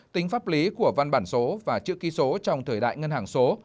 tính pháp lý của văn bản số và chữ ký số trong thời đại ngân hàng số